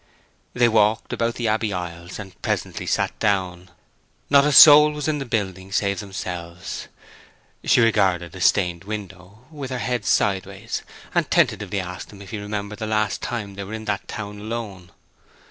They walked about the Abbey aisles, and presently sat down. Not a soul was in the building save themselves. She regarded a stained window, with her head sideways, and tentatively asked him if he remembered the last time they were in that town alone.